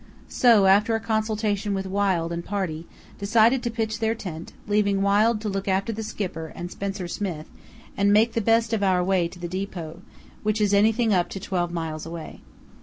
So after a consultation with Wild and party, decided to pitch their tent, leaving Wild to look after the Skipper and Spencer Smith, and make the best of our way to the depot, which is anything up to twelve miles away.